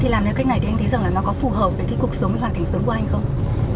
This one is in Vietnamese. thì làm theo cách này thì anh thấy rằng nó có phù hợp với cuộc sống và hoàn cảnh sớm của anh không